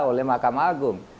oleh mahkamah agung